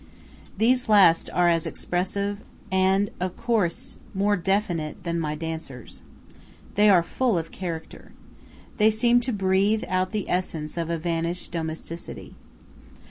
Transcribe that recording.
These last are as expressive as and of course more definite than my dancers. They are full of character. They seem to breathe out the essence of a vanished domesticity.